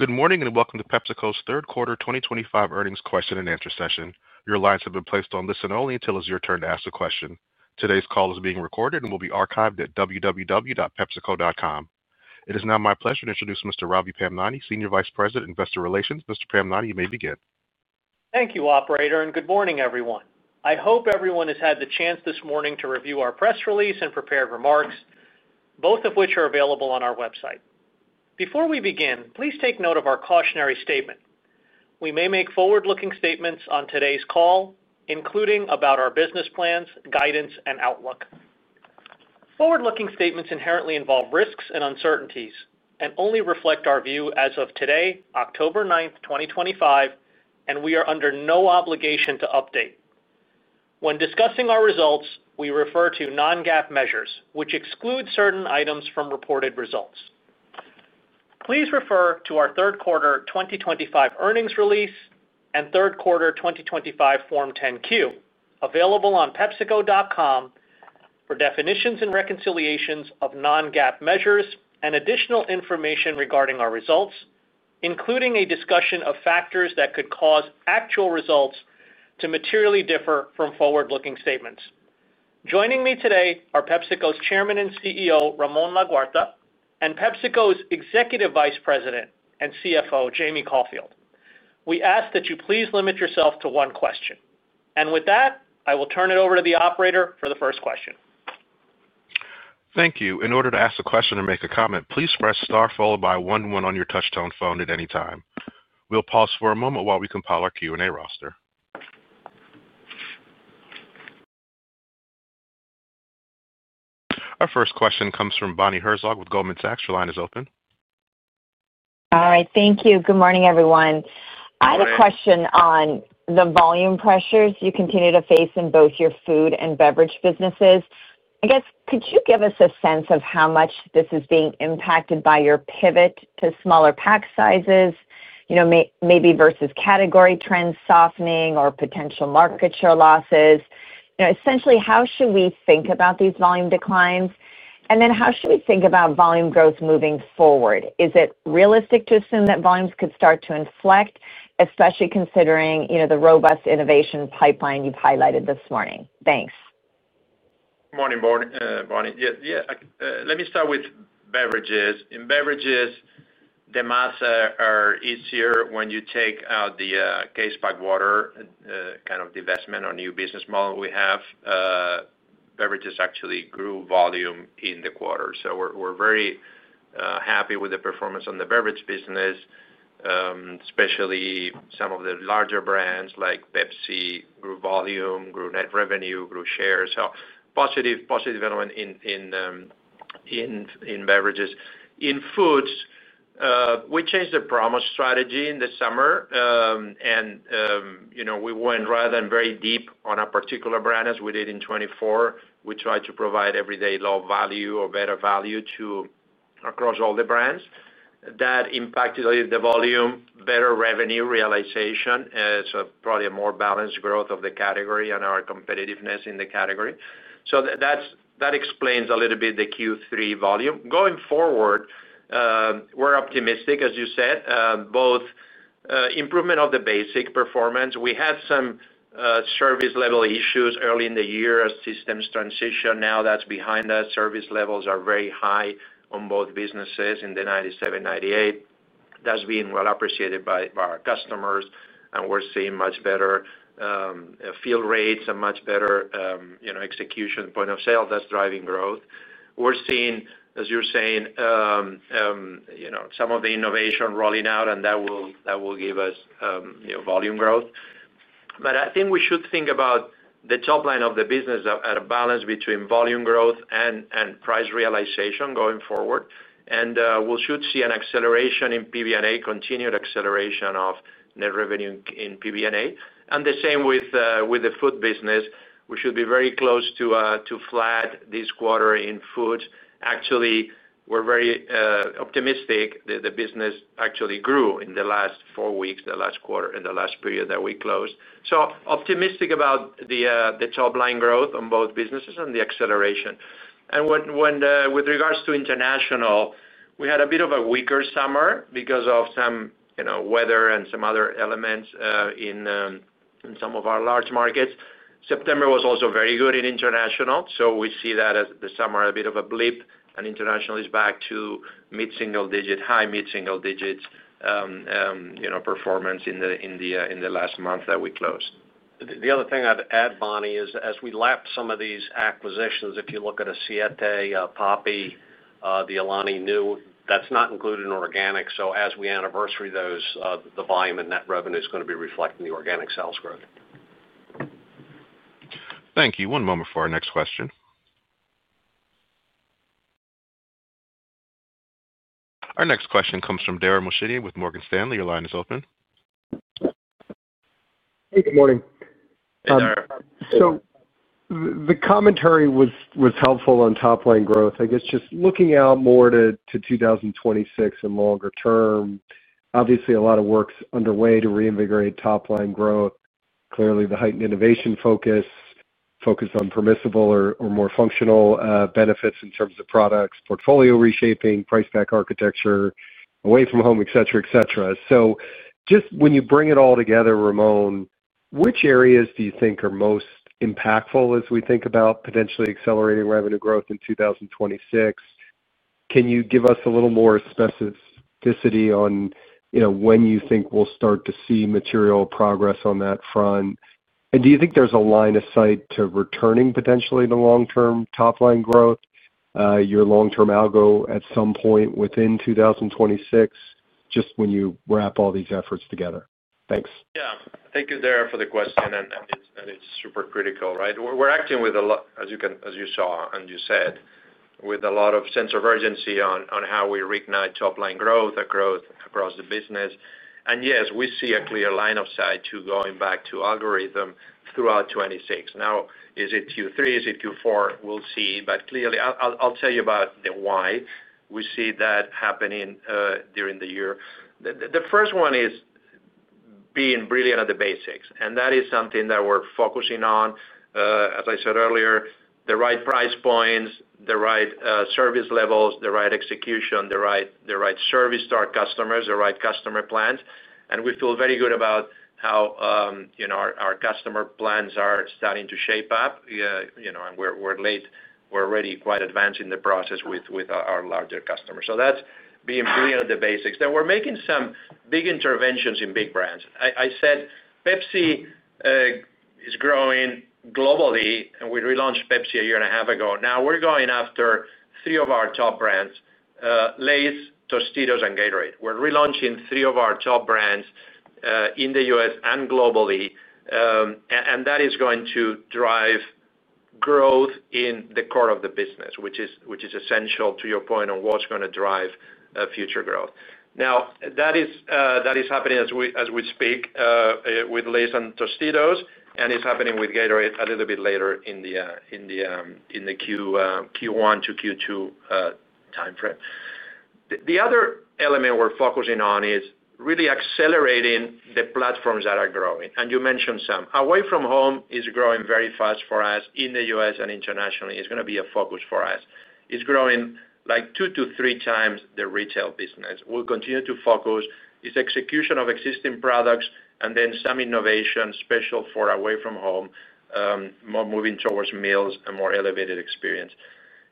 Good morning and welcome to PepsiCo's third quarter 2025 earnings question-and-answer session. Your lines have been placed on listen only until it's your turn to ask the question. Today's call is being recorded and will be archived at www.pepsico.com. It is now my pleasure to introduce Mr. Ravi Pamnani, Senior Vice President, Investor Relations. Mr. Pamnani, you may begin. Thank you, Operator, and good morning, everyone. I hope everyone has had the chance this morning to review our press release and prepared remarks, both of which are available on our website. Before we begin, please take note of our cautionary statement. We may make forward-looking statements on today's call, including about our business plans, guidance, and outlook. Forward-looking statements inherently involve risks and uncertainties and only reflect our view as of today, October 9, 2025, and we are under no obligation to update. When discussing our results, we refer to non-GAAP measures, which exclude certain items from reported results. Please refer to our third quarter 2025 earnings release and third quarter 2025 Form 10-Q, available on PepsiCo.com, for definitions and reconciliations of non-GAAP measures and additional information regarding our results, including a discussion of factors that could cause actual results to materially differ from forward-looking statements. Joining me today are PepsiCo's Chairman and CEO, Ramon Laguarta, and PepsiCo's Executive Vice President and CFO, Jamie Caulfield. We ask that you please limit yourself to one question. With that, I will turn it over to the Operator for the first question. Thank you. In order to ask a question or make a comment, please press star followed by one one on your touchtone phone at any time. We'll pause for a moment while we compile our Q&A roster. Our first question comes from Bonnie Herzog with Goldman Sachs. Your line is open. All right, thank you. Good morning, everyone. I have a question on the volume pressures you continue to face in both your food and beverage businesses. Could you give us a sense of how much this is being impacted by your pivot to smaller pack sizes, maybe versus category trend softening or potential market share losses? Essentially, how should we think about these volume declines, and how should we think about volume growth moving forward? Is it realistic to assume that volumes could start to inflect, especially considering the robust innovation pipeline you've highlighted this morning? Thanks. Morning, Bonnie. Let me start with beverages. In beverages, the maths are easier when you take out the case packed water, kind of the investment on a new business model we have. Beverages actually grew volume in the quarter. We're very happy with the performance on the beverage business, especially some of the larger brands like Pepsi grew volume, grew net revenue, grew shares. Positive development in beverages. In foods, we changed the promo strategy in the summer. We went rather than very deep on a particular brand as we did in 2024. We tried to provide everyday low value or better value across all the brands. That impacted the volume, better revenue realization, probably a more balanced growth of the category and our competitiveness in the category. That explains a little bit the Q3 volume. Going forward, we're optimistic, as you said, both improvement of the basic performance. We had some service level issues early in the year as systems transitioned. Now that's behind us. Service levels are very high on both businesses in the 97%, 98%. That's being well appreciated by our customers. We're seeing much better fill rates and much better execution point of sale. That's driving growth. We're seeing, as you're saying, some of the innovation rolling out, and that will give us volume growth. I think we should think about the top line of the business, a balance between volume growth and price realization going forward. We should see an acceleration in PBNA, continued acceleration of net revenue in PBNA. The same with the food business. We should be very close to flat this quarter in foods. Actually, we're very optimistic. The business actually grew in the last four weeks, the last quarter, and the last period that we closed. Optimistic about the top line growth on both businesses and the acceleration. With regards to international, we had a bit of a weaker summer because of some weather and some other elements in some of our large markets. September was also very good in international. We see that as the summer, a bit of a blip, and international is back to mid-single digit, high mid-single digit performance in the last month that we closed. The other thing I'd add, Bonnie, is as we lap some of these acquisitions, if you look at a Siete, Poppi, the Alani Nu, that's not included in organic. As we anniversary those, the volume and net revenue is going to be reflecting the organic sales growth. Thank you. One moment for our next question. Our next question comes from Dara Mohsenian with Morgan Stanley. Your line is open. Good morning. The commentary was helpful on top line growth. I guess just looking out more to 2026 and longer term, obviously a lot of work's underway to reinvigorate top line growth. Clearly, the heightened innovation focus, focused on permissible or more functional benefits in terms of products, portfolio reshaping, price pack architecture, away from home, et cetera. When you bring it all together, Ramon, which areas do you think are most impactful as we think about potentially accelerating revenue growth in 2026? Can you give us a little more specificity on, you know, when you think we'll start to see material progress on that front? Do you think there's a line of sight to returning potentially the long-term top line growth, your long-term algorithm at some point within 2026, when you wrap all these efforts together? Thanks. Thank you, Dara, for the question. It's super critical, right? We're acting with a lot, as you saw and you said, with a lot of sense of urgency on how we reignite top line growth, the growth across the business. Yes, we see a clear line of sight to going back to algorithm throughout 2026. Now, is it Q3? Is it Q4? We'll see. Clearly, I'll tell you about why we see that happening during the year. The first one is being brilliant at the basics. That is something that we're focusing on. As I said earlier, the right price points, the right service levels, the right execution, the right service to our customers, the right customer plans. We feel very good about how our customer plans are starting to shape up. We're already quite advanced in the process with our larger customers. That's being brilliant at the basics. We're making some big interventions in big brands. I said Pepsi is growing globally, and we relaunched Pepsi a year and a half ago. Now we're going after three of our top brands: Lay's, Tostitos, and Gatorade. We're relaunching three of our top brands in the U.S. and globally. That is going to drive growth in the core of the business, which is essential to your point on what's going to drive future growth. That is happening as we speak with Lay's and Tostitos, and it's happening with Gatorade a little bit later in the Q1 to Q2 timeframe. The other element we're focusing on is really accelerating the platforms that are growing. You mentioned some. Away from Home is growing very fast for us in the U.S. and internationally. It's going to be a focus for us. It's growing like 2x-3x the retail business. We'll continue to focus on execution of existing products and then some innovation special for Away from Home, more moving towards meals and more elevated experience.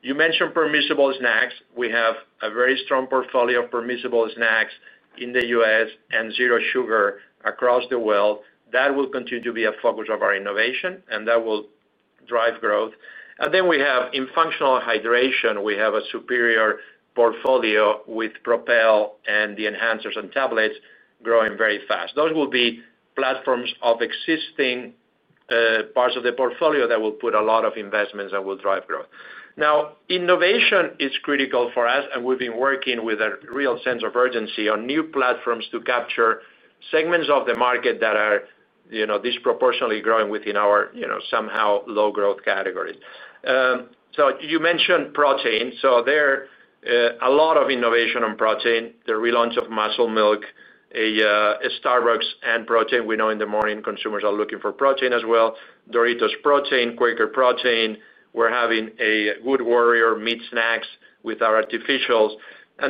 You mentioned permissible snacks. We have a very strong portfolio of permissible snacks in the U.S. and zero sugar across the world. That will continue to be a focus of our innovation, and that will drive growth. In functional hydration, we have a superior portfolio with Propel and the enhancers and tablets growing very fast. Those will be platforms of existing parts of the portfolio that will put a lot of investments that will drive growth. Innovation is critical for us, and we've been working with a real sense of urgency on new platforms to capture segments of the market that are disproportionately growing within our somehow low-growth categories. You mentioned protein. There's a lot of innovation on protein. The relaunch of Muscle Milk, a Starbucks and protein. We know in the morning consumers are looking for protein as well. Doritos protein, Quaker protein. We're having a Good Warrior meat snacks with our artificials. A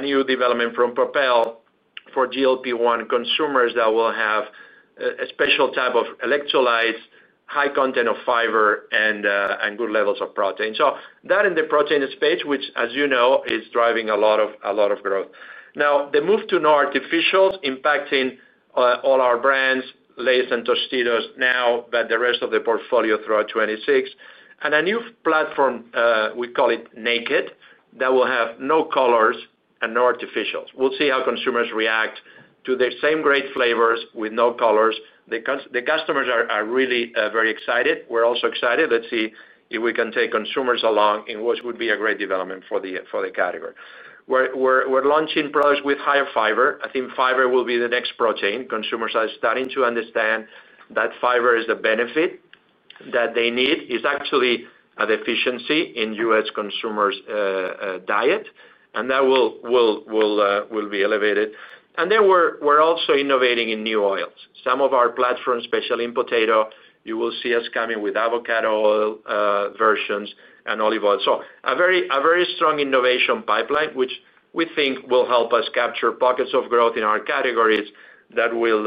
new development from Propel for GLP-1 consumers will have a special type of electrolytes, high content of fiber, and good levels of protein. In the protein space, which, as you know, is driving a lot of growth. The move to no artificials is impacting all our brands, Lay's and Tostitos now, with the rest of the portfolio throughout 2026. A new platform, we call it Naked, will have no colors and no artificials. We'll see how consumers react to the same great flavors with no colors. The customers are really very excited. We're also excited. Let's see if we can take consumers along in what would be a great development for the category. We're launching products with higher fiber. I think fiber will be the next protein. Consumers are starting to understand that fiber is a benefit that they need. It's actually a deficiency in U.S. consumers' diets, and that will be elevated. We're also innovating in new oils. Some of our platforms, especially in potato, you will see us coming with avocado oil versions and olive oil. A very strong innovation pipeline, which we think will help us capture pockets of growth in our categories that will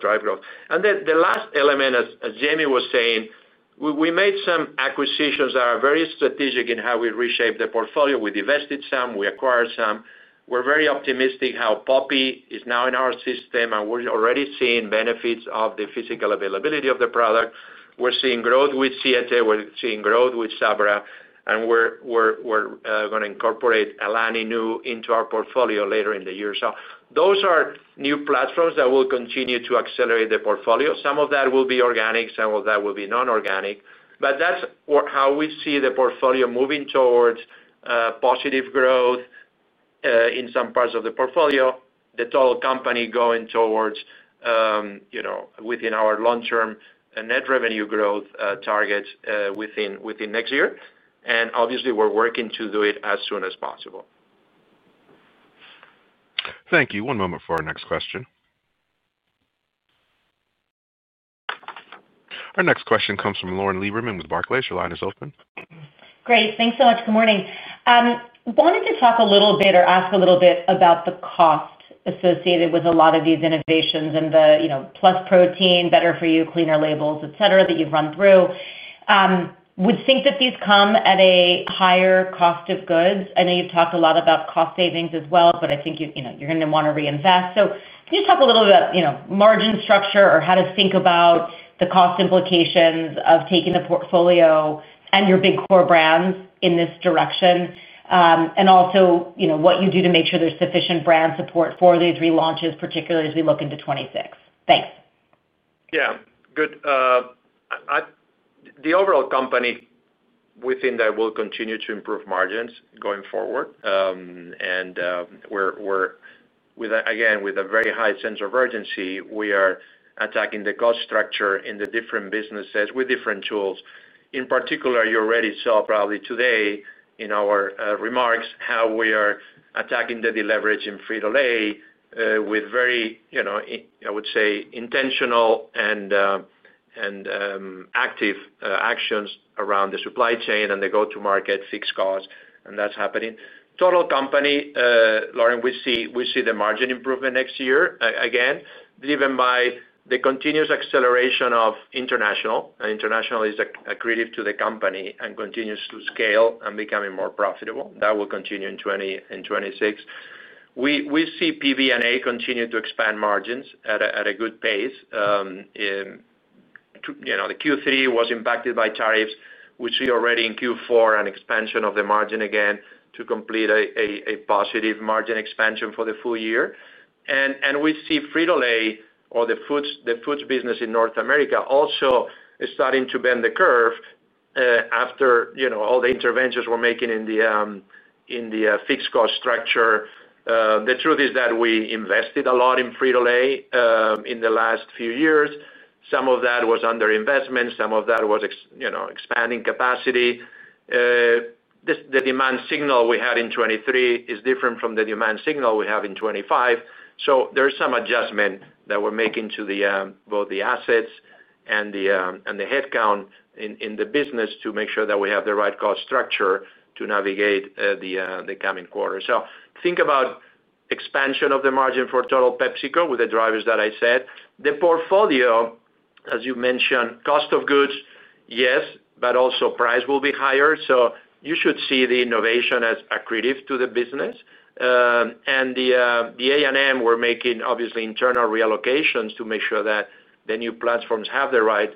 drive growth. The last element, as Jamie was saying, we made some acquisitions that are very strategic in how we reshape the portfolio. We divested some, we acquired some. We're very optimistic how Poppi is now in our system, and we're already seeing benefits of the physical availability of the product. We're seeing growth with Siete, we're seeing growth with Sabra, and we're going to incorporate Alani Nu into our portfolio later in the year. Those are new platforms that will continue to accelerate the portfolio. Some of that will be organic, some of that will be non-organic. That is how we see the portfolio moving towards positive growth in some parts of the portfolio, the total company going towards, you know, within our long-term net revenue growth targets within next year. Obviously, we're working to do it as soon as possible. Thank you. One moment for our next question. Our next question comes from Lauren Lieberman with Barclays. Your line is open. Great. Thanks so much. Good morning. I wanted to talk a little bit or ask a little bit about the cost associated with a lot of these innovations and the, you know, plus protein, better for you, cleaner labels, et cetera, that you've run through. We think that these come at a higher cost of goods. I know you've talked a lot about cost savings as well. I think you're going to want to reinvest. Can you talk a little bit about, you know, margin structure or how to think about the cost implications of taking the portfolio and your big core brands in this direction? Also, what you do to make sure there's sufficient brand support for these relaunches, particularly as we look into 2026. Thanks. Yeah, good. The overall company within that will continue to improve margins going forward. We're, again, with a very high sense of urgency, attacking the cost structure in the different businesses with different tools. In particular, you already saw probably today in our remarks how we are attacking the delivery in Frito-Lay with very, you know, I would say intentional and active actions around the supply chain and the go-to-market costs, and that's happening. Total company, Lauren, we see the margin improvement next year again, driven by the continuous acceleration of international. International is accretive to the company and continues to scale and becoming more profitable. That will continue in 2026. We see PBNA continue to expand margins at a good pace. You know, the Q3 was impacted by tariffs. We see already in Q4 an expansion of the margin again to complete a positive margin expansion for the full year. We see Frito-Lay, or the foods business in North America, also starting to bend the curve after, you know, all the interventions we're making in the fixed cost structure. The truth is that we invested a lot in Frito-Lay in the last few years. Some of that was underinvestment. Some of that was, you know, expanding capacity. The demand signal we had in 2023 is different from the demand signal we have in 2025. There's some adjustment that we're making to both the assets and the headcount in the business to make sure that we have the right cost structure to navigate the coming quarter. Think about expansion of the margin for total PepsiCo with the drivers that I said. The portfolio, as you mentioned, cost of goods, yes, but also price will be higher. You should see the innovation as accretive to the business. The A&M, we're making obviously internal reallocations to make sure that the new platforms have the right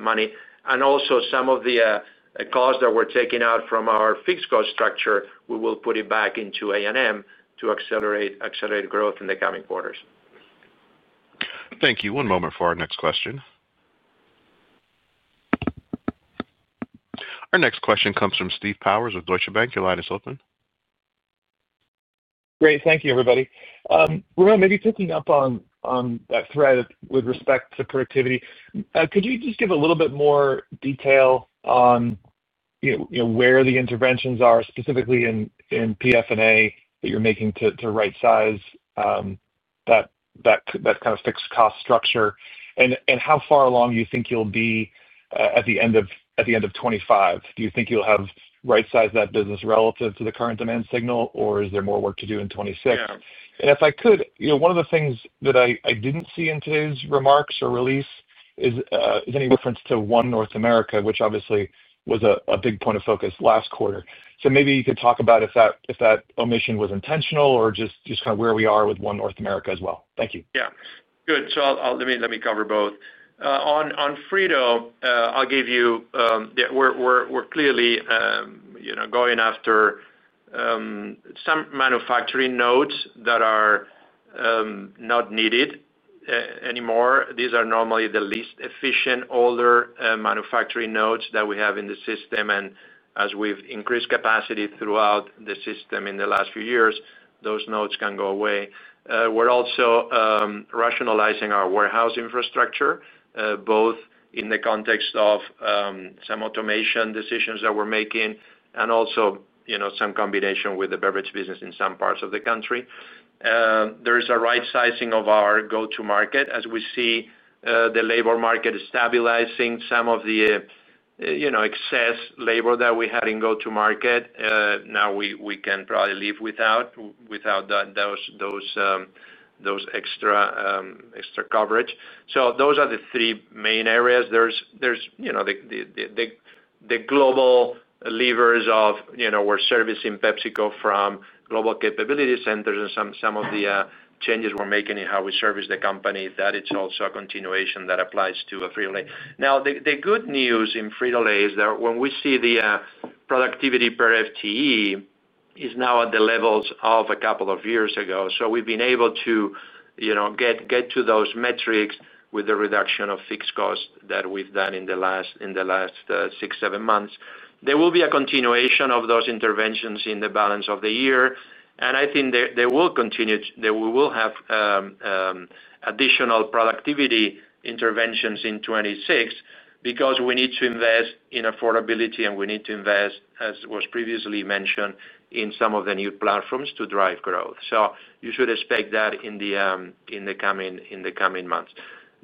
money. Also, some of the costs that we're taking out from our fixed cost structure, we will put it back into A&M to accelerate growth in the coming quarters. Thank you. One moment for our next question. Our next question comes from Steve Powers with Deutsche Bank. Your line is open. Great. Thank you, everybody. Ramon, maybe picking up on that thread with respect to productivity, could you just give a little bit more detail on where the interventions are, specifically in PBNA that you're making to right size that kind of fixed cost structure? How far along do you think you'll be at the end of 2025? Do you think you'll have right sized that business relative to the current demand signal, or is there more work to do in 2026? One of the things that I didn't see in today's remarks or release is any reference to One North America, which obviously was a big point of focus last quarter. Maybe you could talk about if that omission was intentional or just kind of where we are with One North America as well. Thank you. Yeah. Good. Let me cover both. On Frito, I'll give you that we're clearly going after some manufacturing nodes that are not needed anymore. These are normally the least efficient older manufacturing nodes that we have in the system. As we've increased capacity throughout the system in the last few years, those nodes can go away. We're also rationalizing our warehouse infrastructure, both in the context of some automation decisions that we're making and also some combination with the beverage business in some parts of the country. There is a right sizing of our go-to-market. As we see, the labor market is stabilizing some of the excess labor that we had in go-to-market. Now we can probably live without those extra coverage. Those are the three main areas. There are the global levers of servicing PepsiCo from global capability centers and some of the changes we're making in how we service the company. That is also a continuation that applies to Frito-Lay. The good news in Frito-Lay is that when we see the productivity per FTE is now at the levels of a couple of years ago. We've been able to get to those metrics with the reduction of fixed costs that we've done in the last six or seven months. There will be a continuation of those interventions in the balance of the year. I think they will continue. We will have additional productivity interventions in 2026 because we need to invest in affordability and we need to invest, as was previously mentioned, in some of the new platforms to drive growth. You should expect that in the coming months.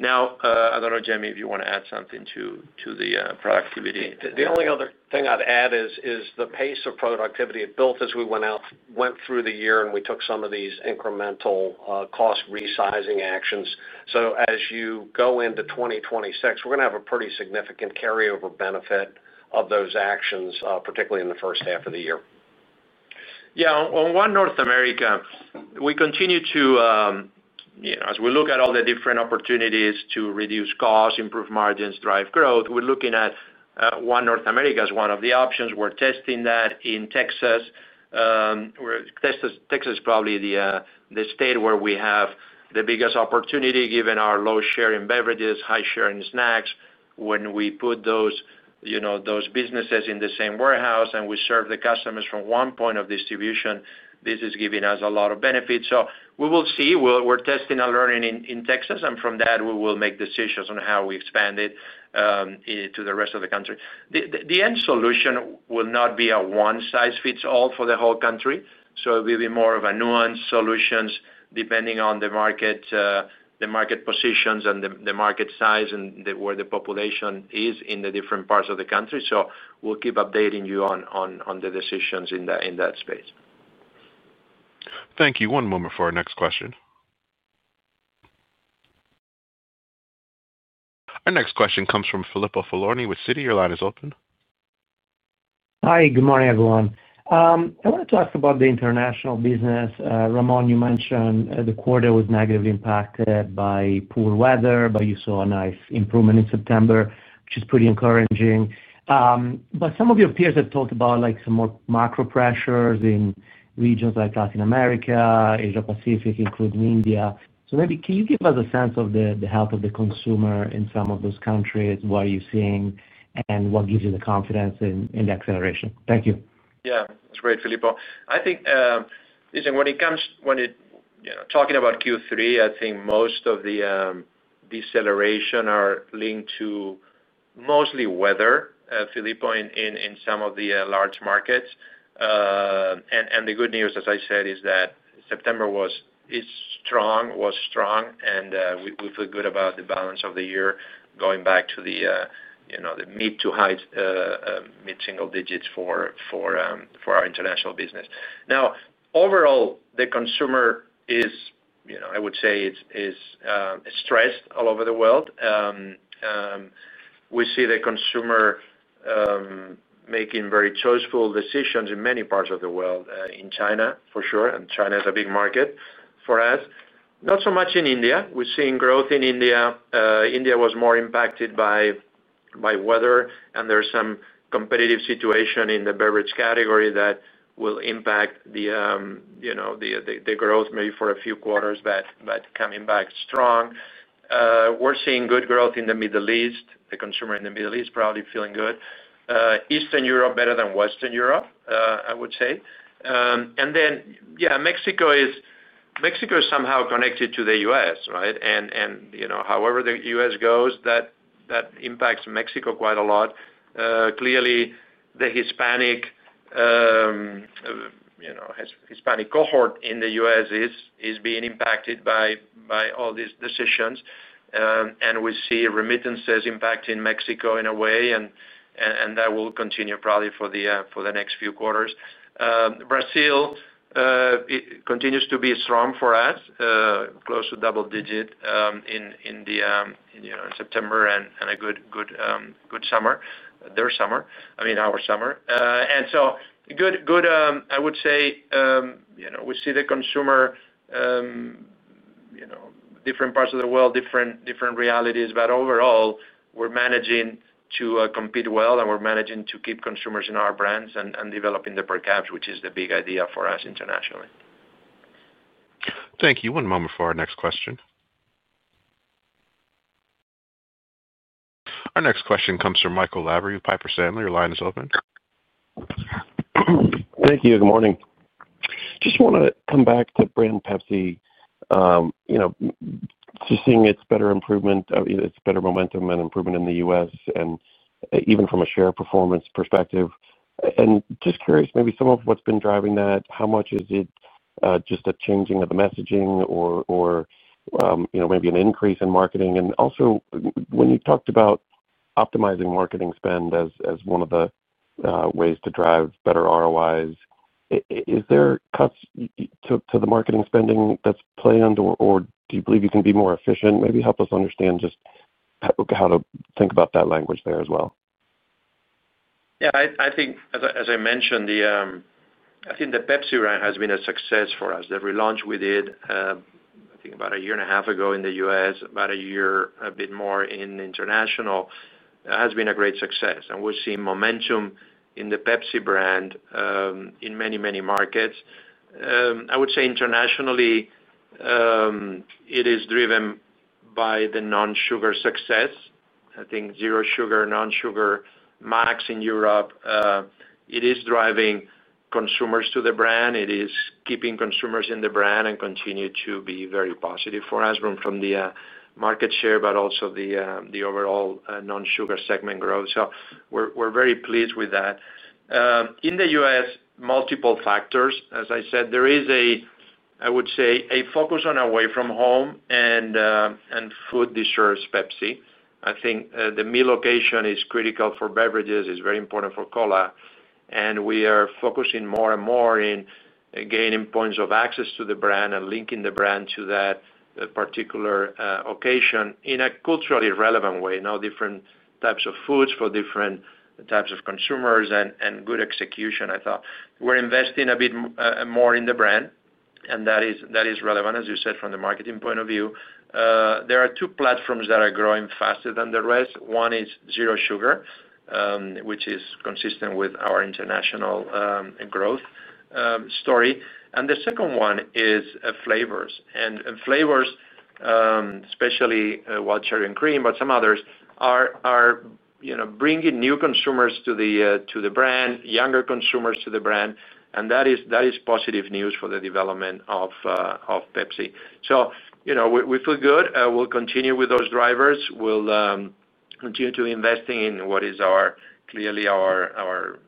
I don't know, Jamie, if you want to add something to the productivity. The only other thing I'd add is the pace of productivity, both as we went through the year and we took some of these incremental cost resizing actions. As you go into 2026, we're going to have a pretty significant carryover benefit of those actions, particularly in the first half of the year. On One North America, we continue to, as we look at all the different opportunities to reduce costs, improve margins, drive growth, we're looking at One North America as one of the options. We're testing that in Texas. Texas is probably the state where we have the biggest opportunity given our low share in beverages, high share in snacks. When we put those businesses in the same warehouse and we serve the customers from one point of distribution, this is giving us a lot of benefits. We will see. We're testing and learning in Texas, and from that, we will make decisions on how we expand it to the rest of the country. The end solution will not be a one-size-fits-all for the whole country. It will be more of a nuanced solution depending on the market, the market positions, and the market size and where the population is in the different parts of the country. We'll keep updating you on the decisions in that space. Thank you. One moment for our next question. Our next question comes from Filippo Falorni with Citi. Your line is open. Hi, good morning, everyone. I want to talk about the international business. Ramon, you mentioned the quarter was negatively impacted by poor weather, but you saw a nice improvement in September, which is pretty encouraging. Some of your peers have talked about more macro pressures in regions like Latin America, Asia Pacific, including India. Can you give us a sense of the health of the consumer in some of those countries? What are you seeing and what gives you the confidence in the acceleration? Thank you. Yeah, that's great, Filippo. I think, listen, when it comes to Q3, I think most of the deceleration is linked to mostly weather, Filippo, in some of the large markets. The good news, as I said, is that September was strong, and we feel good about the balance of the year going back to the mid to high mid-single digits for our international business. Now, overall, the consumer is, you know, I would say it's stressed all over the world. We see the consumer making very choiceful decisions in many parts of the world, in China for sure, and China is a big market for us. Not so much in India. We're seeing growth in India. India was more impacted by weather, and there's some competitive situation in the beverage category that will impact the growth maybe for a few quarters, but coming back strong. We're seeing good growth in the Middle East. The consumer in the Middle East is probably feeling good. Eastern Europe is better than Western Europe, I would say. Mexico is somehow connected to the U.S., right? However the U.S. goes, that impacts Mexico quite a lot. Clearly, the Hispanic cohort in the U.S. is being impacted by all these decisions. We see remittances impacting Mexico in a way, and that will continue probably for the next few quarters. Brazil continues to be strong for us, close to double digit in September and a good summer, their summer, I mean, our summer. I would say we see the consumer, you know, different parts of the world, different realities, but overall, we're managing to compete well and we're managing to keep consumers in our brands and developing the per caps, which is the big idea for us internationally. Thank you. One moment for our next question. Our next question comes from Michael Lavery, Piper Sandler, your line is open. Thank you. Good morning. Just want to come back to brand Pepsi. You know, seeing its better improvement, its better momentum and improvement in the U.S. and even from a share performance perspective. Just curious, maybe some of what's been driving that, how much is it just a changing of the messaging or, you know, maybe an increase in marketing? Also, when you talked about optimizing marketing spend as one of the ways to drive better ROIs, is there cuts to the marketing spending that's planned, or do you believe you can be more efficient? Maybe help us understand just how to think about that language there as well. I think, as I mentioned, the Pepsi brand has been a success for us. Every launch we did, I think about a year and a half ago in the U.S., about a year, a bit more in international, has been a great success. We're seeing momentum in the Pepsi brand in many, many markets. Internationally, it is driven by the non-sugar success. I think zero sugar, non-sugar max in Europe, is driving consumers to the brand. It is keeping consumers in the brand and continues to be very positive for us from the market share, but also the overall non-sugar segment growth. We're very pleased with that. In the U.S., multiple factors. As I said, there is a focus on away-from-home and food desserts, Pepsi. I think the meal location is critical for beverages. It's very important for Cola. We are focusing more and more on gaining points of access to the brand and linking the brand to that particular occasion in a culturally relevant way. Now, different types of foods for different types of consumers and good execution. I thought we're investing a bit more in the brand. That is relevant, as you said, from the marketing point of view. There are two platforms that are growing faster than the rest. One is zero sugar, which is consistent with our international growth story. The second one is flavors. Flavors, especially white cherry and cream, but some others are bringing new consumers to the brand, younger consumers to the brand. That is positive news for the development of Pepsi. We feel good. We'll continue with those drivers. We'll continue to invest in what is clearly our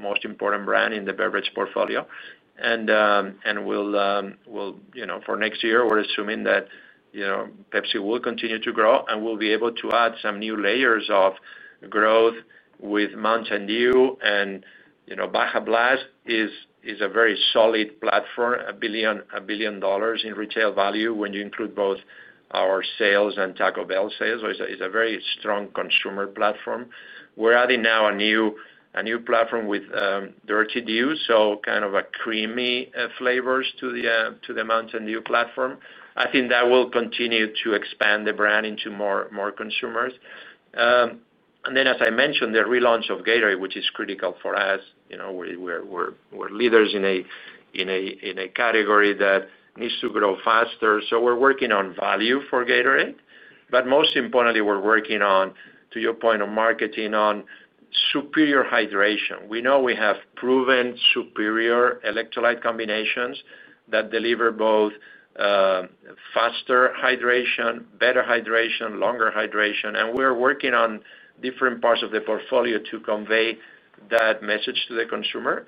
most important brand in the beverage portfolio. For next year, we're assuming that Pepsi will continue to grow and we'll be able to add some new layers of growth with Mountain Dew, Baja Blast is a very solid platform, $1 billion in retail value when you include both our sales and Taco Bell sales. It's a very strong consumer platform. We're adding now a new platform with Dirty Dew, so kind of a creamy flavor to the Mountain Dew platform. I think that will continue to expand the brand into more consumers. As I mentioned, the relaunch of Gatorade is critical for us. We're leaders in a category that needs to grow faster. We're working on value for Gatorade. Most importantly, we're working, to your point, on marketing on superior hydration. We know we have proven superior electrolyte combinations that deliver both faster hydration, better hydration, longer hydration. We're working on different parts of the portfolio to convey that message to the consumer.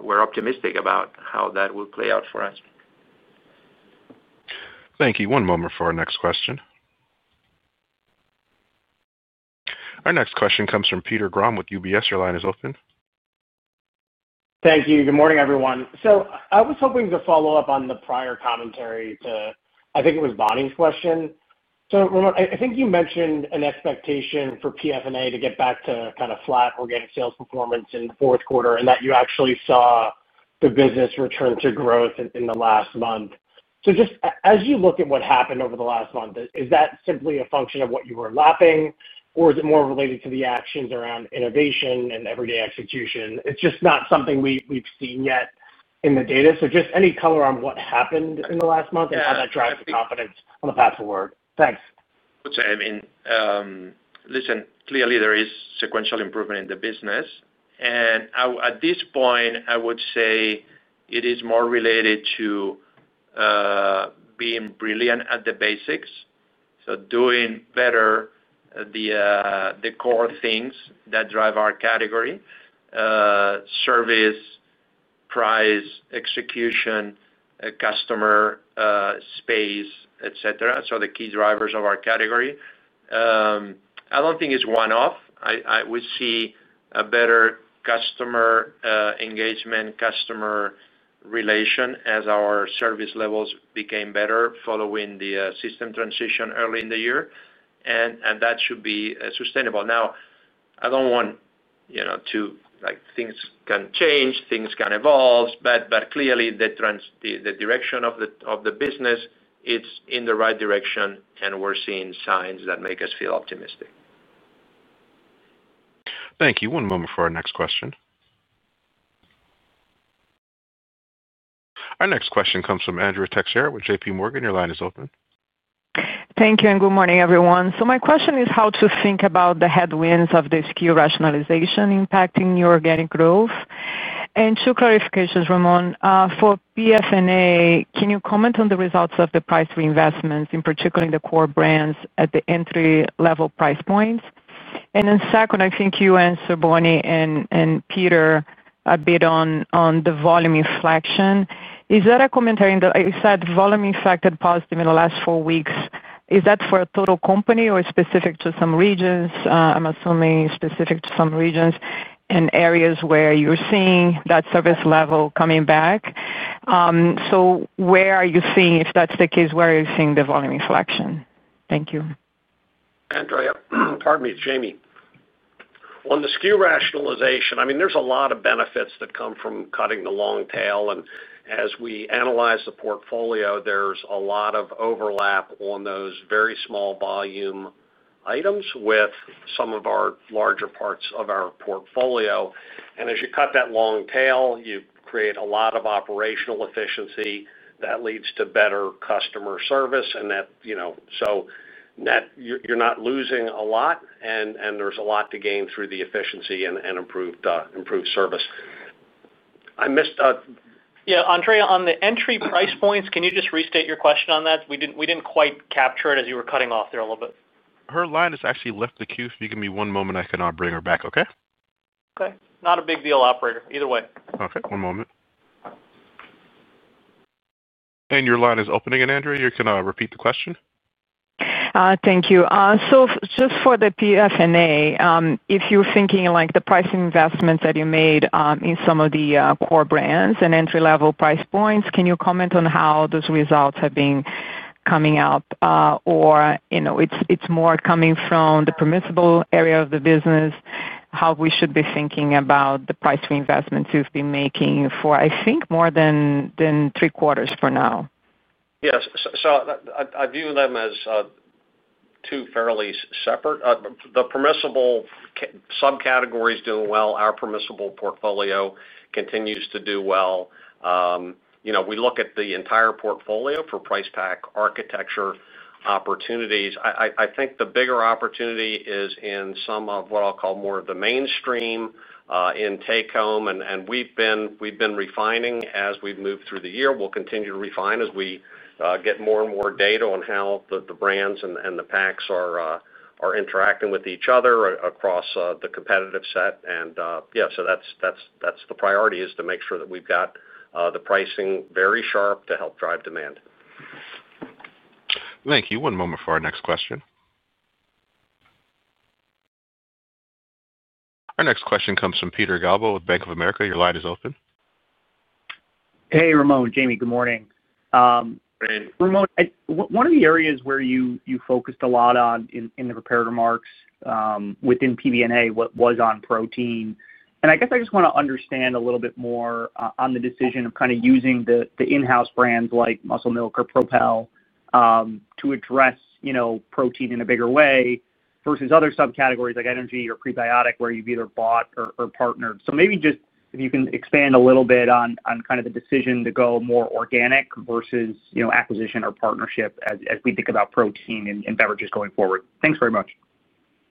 We're optimistic about how that will play out for us. Thank you. One moment for our next question. Our next question comes from Peter Grom with UBS. Your line is open. Thank you. Good morning, everyone. I was hoping to follow up on the prior commentary to, I think it was Bonnie's question. Ramon, I think you mentioned an expectation for PBNA to get back to kind of flat organic sales performance in the fourth quarter and that you actually saw the business return to growth in the last month. As you look at what happened over the last month, is that simply a function of what you were lapping, or is it more related to the actions around innovation and everyday execution? It's just not something we've seen yet in the data. Any color on what happened in the last month and how that drives the confidence on the path forward. Thanks. I would say, I mean, listen, clearly there is sequential improvement in the business. At this point, I would say it is more related to being brilliant at the basics, doing better the core things that drive our category: service, price, execution, customer space, et cetera. The key drivers of our category. I don't think it's one-off. We see better customer engagement, customer relation as our service levels became better following the system transition early in the year, and that should be sustainable. I don't want, you know, to like things can change, things can evolve, but clearly the direction of the business, it's in the right direction and we're seeing signs that make us feel optimistic. Thank you. One moment for our next question. Our next question comes from Andrea Teixeira with J.P. Morgan. Your line is open. Thank you and good morning, everyone. My question is how to think about the headwinds of the SKU rationalization impacting new organic growth. Two clarifications, Ramon. For PBNA, can you comment on the results of the price reinvestments, in particular in the core brands at the entry-level price points? I think you answered Bonnie and Peter a bit on the volume inflection. Is that a commentary in that you said volume inflected positive in the last four weeks? Is that for the total company or specific to some regions? I'm assuming specific to some regions and areas where you're seeing that service level coming back. Where are you seeing, if that's the case, where are you seeing the volume inflection? Thank you. Andrea, pardon me, Jamie. On the SKU rationalization, there's a lot of benefits that come from cutting the long tail. As we analyze the portfolio, there's a lot of overlap on those very small volume items with some of our larger parts of our portfolio. As you cut that long tail, you create a lot of operational efficiency that leads to better customer service. You're not losing a lot, and there's a lot to gain through the efficiency and improved service. I missed. Yeah, Andrea, on the entry price points, can you just restate your question on that? We didn't quite capture it as you were cutting off there a little bit. Her line is actually left to queue, so give me one moment. I can bring her back, okay? Okay, not a big deal, operator, either way. Okay, one moment. Your line is open again, Andrea. You can repeat the question. Thank you. For the PBNA, if you're thinking like the price investments that you made in some of the core brands and entry-level price points, can you comment on how those results have been coming up? Or it's more coming from the permissible area of the business, how we should be thinking about the price reinvestments we've been making for, I think, more than three quarters for now. Yes, I view them as two fairly separate. The permissible subcategory is doing well. Our permissible portfolio continues to do well. We look at the entire portfolio for price pack architecture opportunities. I think the bigger opportunity is in some of what I'll call more of the mainstream in take home. We've been refining as we've moved through the year. We'll continue to refine as we get more and more data on how the brands and the packs are interacting with each other across the competitive set. That's the priority, to make sure that we've got the pricing very sharp to help drive demand. Thank you. One moment for our next question. Our next question comes from Peter Galbo with Bank of America. Your line is open. Hey, Ramon, Jamie, good morning. Ramon, one of the areas where you focused a lot on in the prepared remarks within PBNA was on protein. I just want to understand a little bit more on the decision of kind of using the in-house brands like Muscle Milk or Propel to address, you know, protein in a bigger way versus other subcategories like energy or prebiotic where you've either bought or partnered. Maybe just if you can expand a little bit on kind of the decision to go more organic versus, you know, acquisition or partnership as we think about protein and beverages going forward. Thanks very much.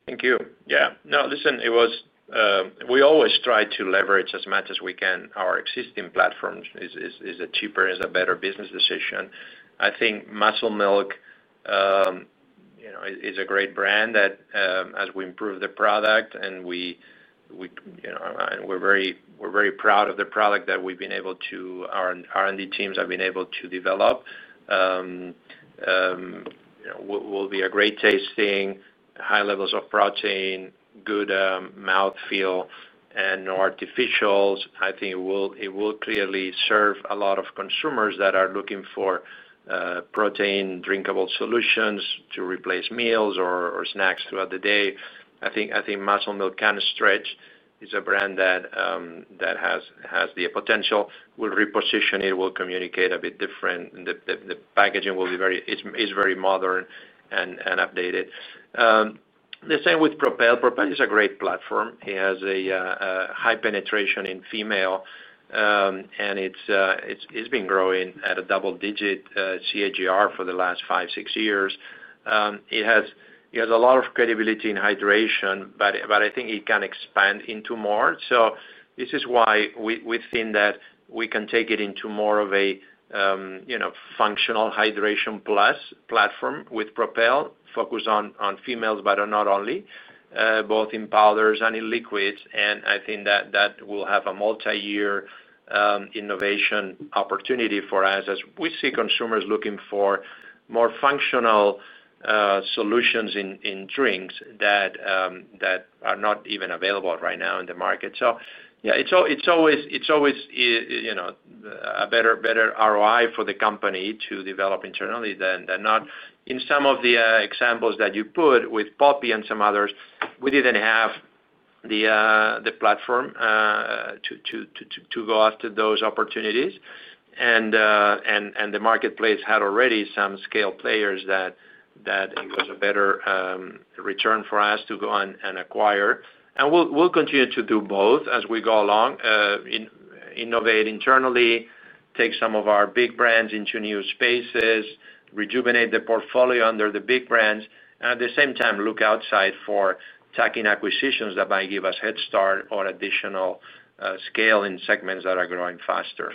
Thank you. Yeah, no, listen, we always try to leverage as much as we can our existing platforms. It's a cheaper, it's a better business decision. I think Muscle Milk is a great brand that as we improve the product and we're very proud of the product that our R&D teams have been able to develop, it will be a great tasting, high levels of protein, good mouthfeel, and no artificials. I think it will clearly serve a lot of consumers that are looking for protein drinkable solutions to replace meals or snacks throughout the day. I think Muscle Milk can stretch. It's a brand that has the potential. We'll reposition it. We'll communicate a bit different. The packaging will be very, it's very modern and updated. The same with Propel. Propel is a great platform. It has a high penetration in female, and it's been growing at a double-digit CAGR for the last five, six years. It has a lot of credibility in hydration, but I think it can expand into more. This is why we think that we can take it into more of a functional hydration plus platform with Propel, focus on females, but not only, both in powders and in liquids. I think that that will have a multi-year innovation opportunity for us as we see consumers looking for more functional solutions in drinks that are not even available right now in the market. Yeah, it's always a better ROI for the company to develop internally than not. In some of the examples that you put with Poppi and some others, we didn't have the platform to go after those opportunities. The marketplace had already some scale players that it was a better return for us to go and acquire. We'll continue to do both as we go along, innovate internally, take some of our big brands into new spaces, rejuvenate the portfolio under the big brands, and at the same time, look outside for tacking acquisitions that might give us head start or additional scale in segments that are growing faster.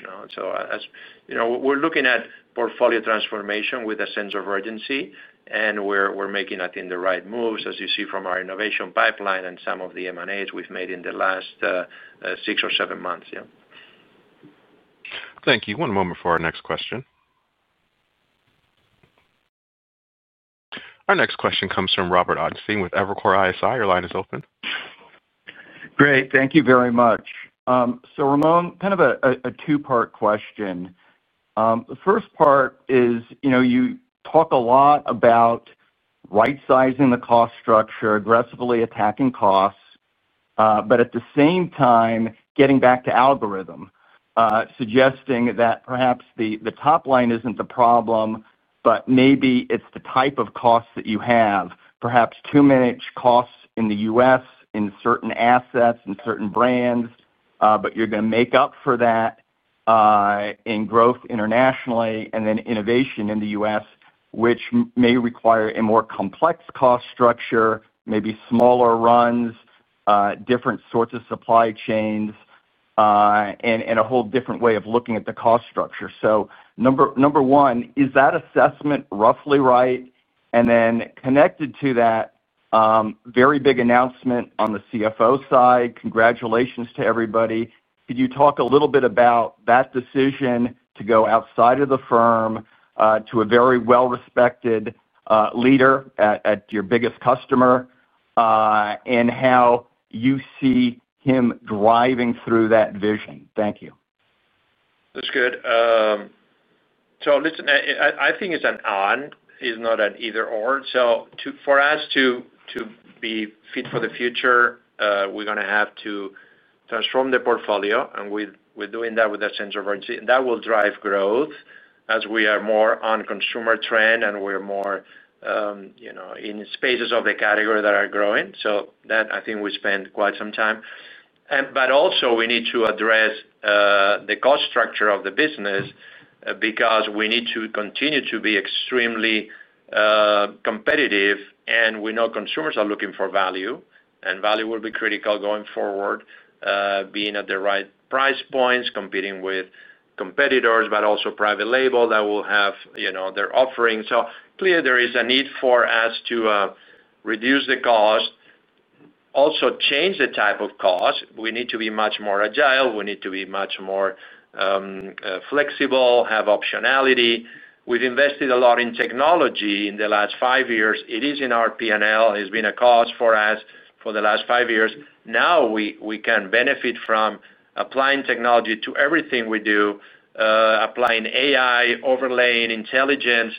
As you know, we're looking at portfolio transformation with a sense of urgency, and we're making, I think, the right moves, as you see from our innovation pipeline and some of the M&As we've made in the last six or seven months. Thank you. One moment for our next question. Our next question comes from Robert Ottenstein with Evercore ISI. Your line is open. Great. Thank you very much. Ramon, kind of a two-part question. The first part is, you talk a lot about right-sizing the cost structure, aggressively attacking costs, but at the same time, getting back to algorithm, suggesting that perhaps the top line isn't the problem, but maybe it's the type of costs that you have, perhaps too many costs in the U.S. in certain assets and certain brands, but you're going to make up for that in growth internationally and then innovation in the U.S., which may require a more complex cost structure, maybe smaller runs, different sorts of supply chains, and a whole different way of looking at the cost structure. Number one, is that assessment roughly right? Connected to that, very big announcement on the CFO side. Congratulations to everybody. Could you talk a little bit about that decision to go outside of the firm to a very well-respected leader at your biggest customer and how you see him driving through that vision? Thank you. That's good. I think it's an on, it's not an either-or. For us to be fit for the future, we're going to have to transform the portfolio, and we're doing that with a sense of urgency. That will drive growth as we are more on consumer trend and we're more in spaces of the category that are growing. I think we spend quite some time, but we also need to address the cost structure of the business because we need to continue to be extremely competitive, and we know consumers are looking for value, and value will be critical going forward, being at the right price points, competing with competitors, but also private label that will have their offering. Clearly, there is a need for us to reduce the cost, also change the type of cost. We need to be much more agile. We need to be much more flexible, have optionality. We've invested a lot in technology in the last five years. It is in our P&L. It's been a cost for us for the last five years. Now we can benefit from applying technology to everything we do, applying AI, overlaying intelligence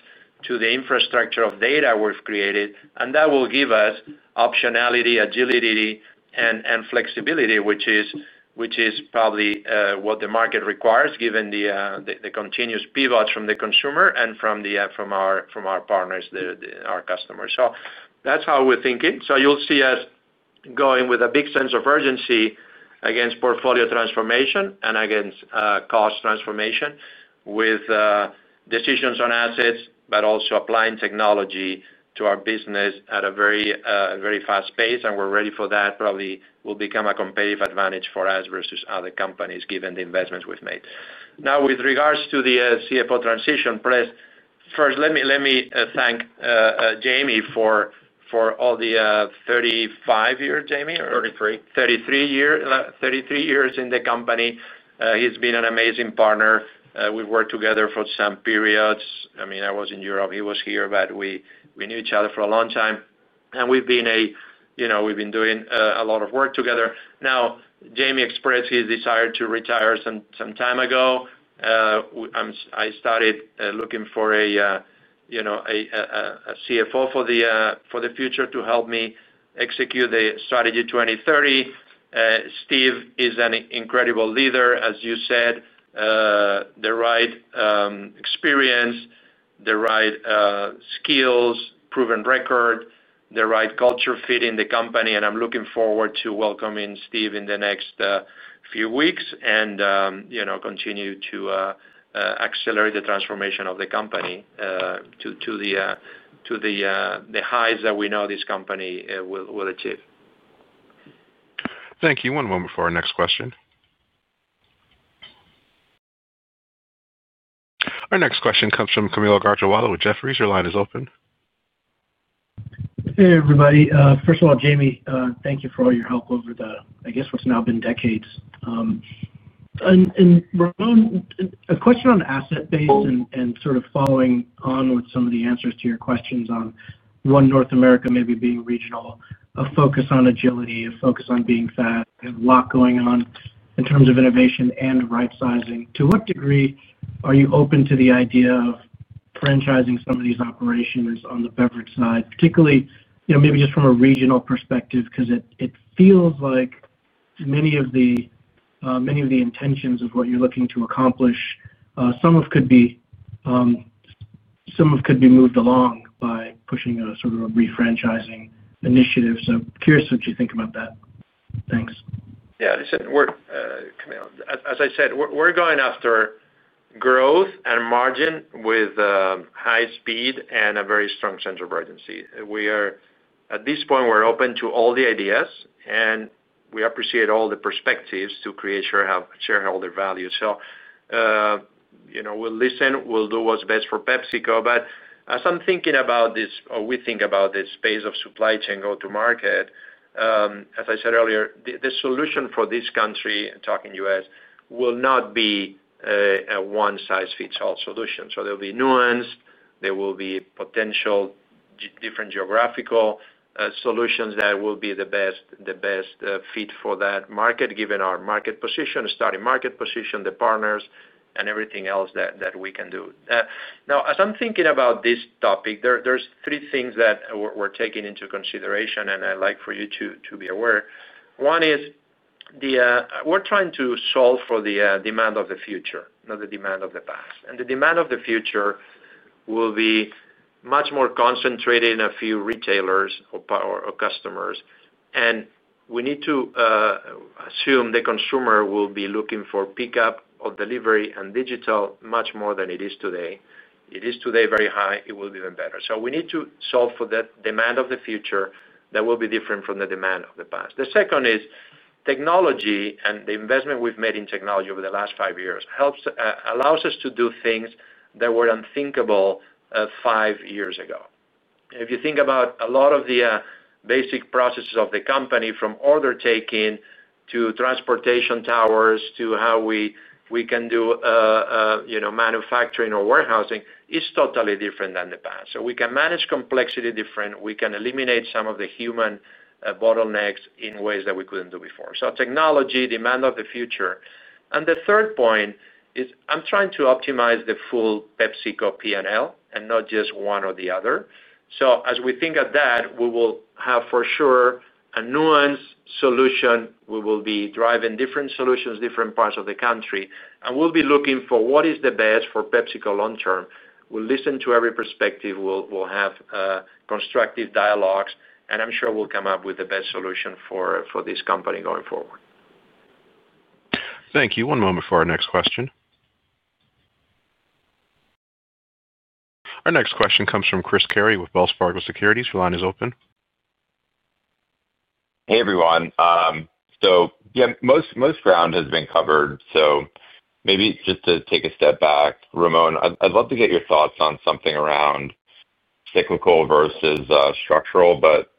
to the infrastructure of data we've created. That will give us optionality, agility, and flexibility, which is probably what the market requires given the continuous pivots from the consumer and from our partners, our customers. That's how we're thinking. You'll see us going with a big sense of urgency against portfolio transformation and against cost transformation with decisions on assets, but also applying technology to our business at a very, very fast pace. We're ready for that. Probably will become a competitive advantage for us versus other companies given the investments we've made. Now, with regards to the CFO transition, first, let me thank Jamie for all the 35 years, Jamie, or 33 years in the company. He's been an amazing partner. We've worked together for some periods. I mean, I was in Europe, he was here, but we knew each other for a long time. We've been doing a lot of work together. Now, Jamie expressed his desire to retire some time ago. I started looking for a CFO for the future to help me execute the strategy 2030. Steve is an incredible leader, as you said, the right experience, the right skills, proven record, the right culture fit in the company. I'm looking forward to welcoming Steve in the next few weeks and continue to accelerate the transformation of the company to the highs that we know this company will achieve. Thank you. One moment for our next question. Our next question comes from Kaumil Gajrawala with Jefferies. Your line is open. Hey, everybody. First of all, Jamie, thank you for all your help over the, I guess, what's now been decades. Ramon, a question on asset-based and sort of following on with some of the answers to your questions on One North America maybe being regional, a focus on agility, a focus on being fast, a lot going on in terms of innovation and right sizing. To what degree are you open to the idea of franchising some of these operations on the beverage side, particularly, you know, maybe just from a regional perspective because it feels like many of the intentions of what you're looking to accomplish, some of it could be, some of it could be moved along by pushing a sort of a refranchising initiative. Curious what you think about that. Thanks. Yeah, listen, as I said, we're going after growth and margin with high speed and a very strong sense of urgency. At this point, we're open to all the ideas and we appreciate all the perspectives to create sharing all the values. We'll listen, we'll do what's best for PepsiCo. As I'm thinking about this, or we think about this space of supply chain go-to-market, as I said earlier, the solution for this country, talking U.S., will not be a one-size-fits-all solution. There'll be nuance, there will be potential different geographical solutions that will be the best fit for that market given our market position, starting market position, the partners, and everything else that we can do. Now, as I'm thinking about this topic, there's three things that we're taking into consideration and I'd like for you to be aware. One is we're trying to solve for the demand of the future, not the demand of the past. The demand of the future will be much more concentrated in a few retailers or customers. We need to assume the consumer will be looking for pickup or delivery and digital much more than it is today. It is today very high, it will be even better. We need to solve for that demand of the future that will be different from the demand of the past. The second is technology and the investment we've made in technology over the last five years helps, allows us to do things that were unthinkable five years ago. If you think about a lot of the basic processes of the company, from order taking to transportation towers to how we can do manufacturing or warehousing, it's totally different than the past. We can manage complexity different. We can eliminate some of the human bottlenecks in ways that we couldn't do before. Technology, demand of the future. The third point is I'm trying to optimize the full PepsiCo P&L and not just one or the other. As we think of that, we will have for sure a nuanced solution. We will be driving different solutions, different parts of the country. We'll be looking for what is the best for PepsiCo long term. We'll listen to every perspective. We'll have constructive dialogues. I'm sure we'll come up with the best solution for this company going forward. Thank you. One moment for our next question. Our next question comes from Chris Carey with Wells Fargo Securities. Your line is open. Hey, everyone. Most ground has been covered. Maybe it's just to take a step back. Ramon, I'd love to get your thoughts on something around cyclical versus structural, but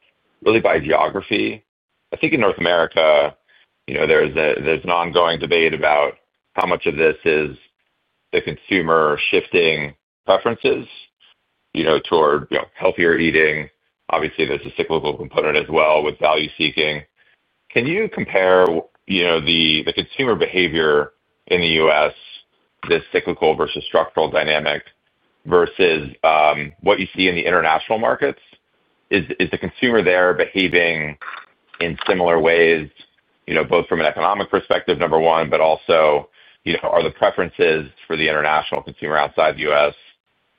really by geography. I think in North America, there's an ongoing debate about how much of this is the consumer shifting preferences toward healthier eating. Obviously, there's a cyclical component as well with value seeking. Can you compare the consumer behavior in the U.S., this cyclical versus structural dynamic, versus what you see in the international markets? Is the consumer there behaving in similar ways, both from an economic perspective, number one, but also, are the preferences for the international consumer outside the U.S.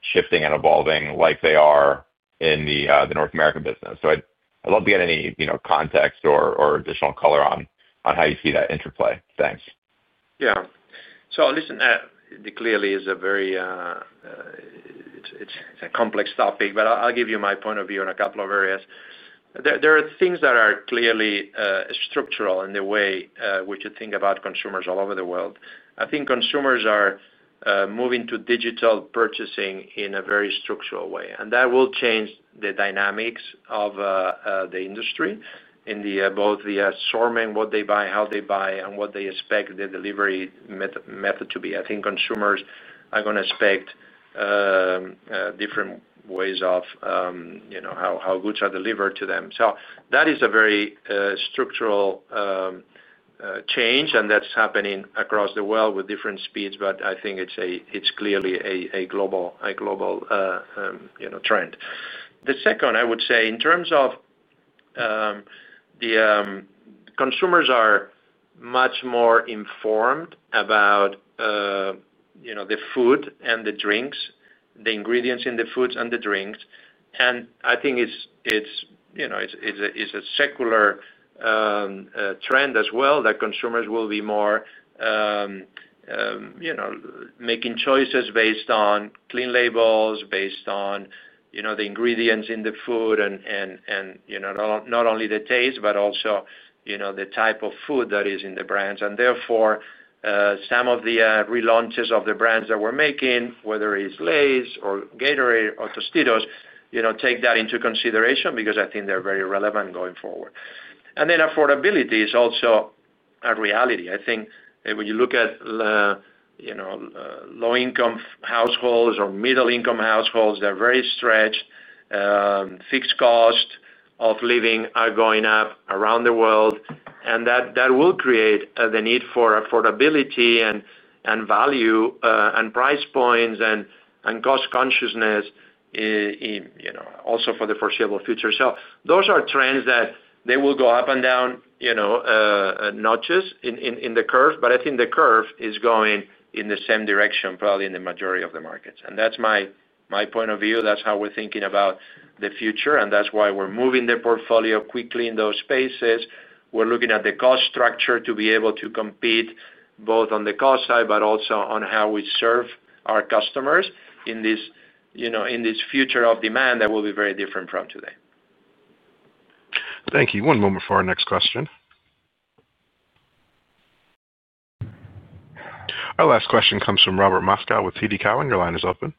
shifting and evolving like they are in the North American business? I'd love to get any context or additional color on how you see that interplay. Thanks. Yeah. Listen, it clearly is a very, it's a complex topic, but I'll give you my point of view in a couple of areas. There are things that are clearly structural in the way which you think about consumers all over the world. I think consumers are moving to digital purchasing in a very structural way. That will change the dynamics of the industry in both the sourcing, what they buy, how they buy, and what they expect the delivery method to be. I think consumers are going to expect different ways of how goods are delivered to them. That is a very structural change and that's happening across the world with different speeds, but I think it's clearly a global trend. The second, I would say, in terms of consumers, are much more informed about the food and the drinks, the ingredients in the foods and the drinks. I think it's a secular trend as well that consumers will be more making choices based on clean labels, based on the ingredients in the food and not only the taste, but also the type of food that is in the brands. Therefore, some of the relaunches of the brands that we're making, whether it's Lay's or Gatorade or Tostitos, take that into consideration because I think they're very relevant going forward. Affordability is also a reality. I think when you look at low-income households or middle-income households, they're very stretched. Fixed costs of living are going up around the world. That will create the need for affordability and value and price points and cost consciousness also for the foreseeable future. Those are trends that will go up and down, notches in the curve, but I think the curve is going in the same direction probably in the majority of the markets. That's my point of view. That's how we're thinking about the future. That's why we're moving the portfolio quickly in those spaces. We're looking at the cost structure to be able to compete both on the cost side, but also on how we serve our customers in this future of demand that will be very different from today. Thank you. One moment for our next question. Our last question comes from Robert Moskow with TD Cowen. Your line is open.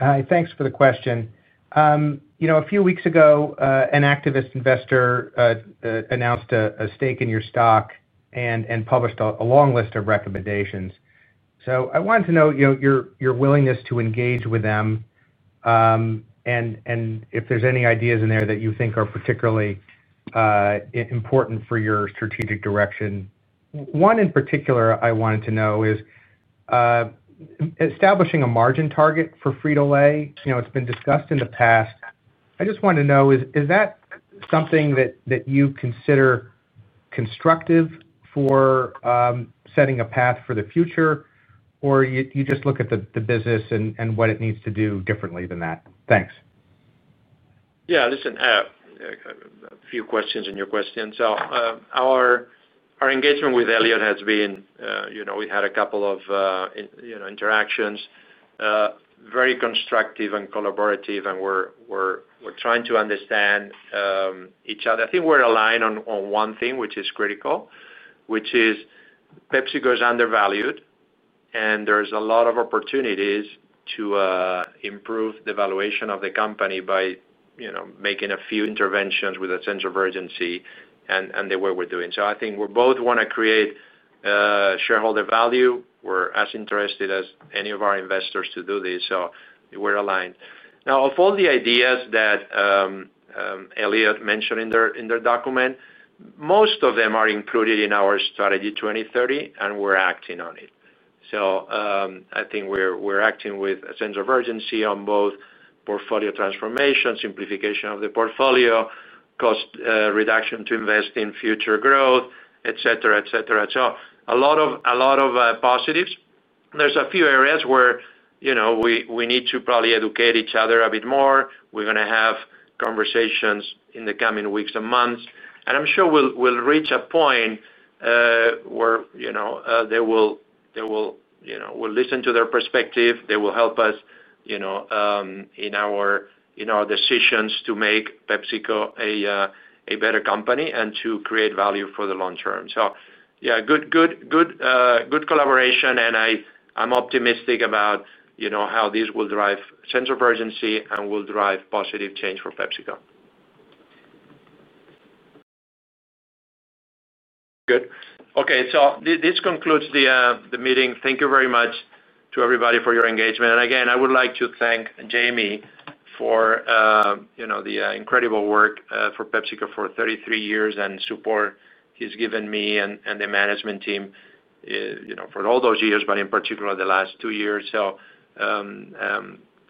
Hi, thanks for the question. A few weeks ago, an activist investor announced a stake in your stock and published a long list of recommendations. I wanted to know your willingness to engage with them and if there's any ideas in there that you think are particularly important for your strategic direction. One in particular I wanted to know is establishing a margin target for Frito-Lay. It's been discussed in the past. I just wanted to know, is that something that you consider constructive for setting a path for the future, or you just look at the business and what it needs to do differently than that? Thanks. Yeah, listen, a few questions in your question. Our engagement with Elliott has been, you know, we've had a couple of interactions, very constructive and collaborative, and we're trying to understand each other. I think we're aligned on one thing, which is critical, which is PepsiCo is undervalued, and there's a lot of opportunities to improve the valuation of the company by, you know, making a few interventions with a sense of urgency and the way we're doing. I think we both want to create shareholder value. We're as interested as any of our investors to do this. We're aligned. Now, of all the ideas that Elliott mentioned in their document, most of them are included in our strategy 2030, and we're acting on it. I think we're acting with a sense of urgency on both portfolio transformation, simplification of the portfolio, cost reduction to invest in future growth, et cetera, et cetera. A lot of positives. There's a few areas where, you know, we need to probably educate each other a bit more. We're going to have conversations in the coming weeks and months. I'm sure we'll reach a point where, you know, they will, you know, we'll listen to their perspective. They will help us, you know, in our decisions to make PepsiCo a better company and to create value for the long term. Good collaboration. I'm optimistic about, you know, how this will drive sense of urgency and will drive positive change for PepsiCo. Good. Okay, this concludes the meeting. Thank you very much to everybody for your engagement. Again, I would like to thank Jamie for, you know, the incredible work for PepsiCo for 33 years and support he's given me and the management team, you know, for all those years, but in particular the last two years.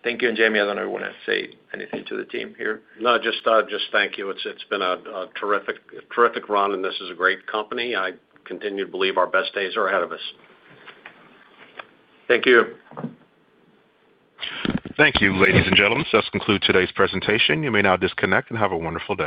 Thank you, and Jamie, I don't know if you want to say anything to the team here. No, just thank you. It's been a terrific, terrific run, and this is a great company. I continue to believe our best days are ahead of us. Thank you. Thank you, ladies and gentlemen. Let's conclude today's presentation. You may now disconnect and have a wonderful day.